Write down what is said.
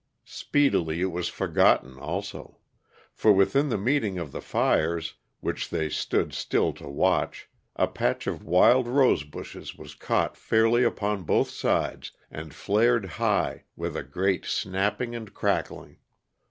Speedily it was forgotten, also. For with the meeting of the fires, which they stood still to watch, a patch of wild rosebushes was caught fairly upon both sides, and flared high, with a great snapping and crackling.